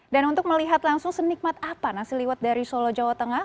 dan untuk melihat langsung senikmat apa nasi liwet dari solo jawa tengah